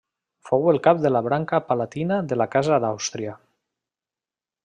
Fou el cap de la branca palatina de la Casa d'Àustria.